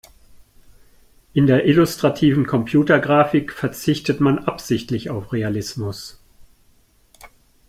In der illustrativen Computergrafik verzichtet man absichtlich auf Realismus.